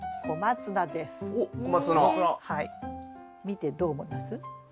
見てどう思います？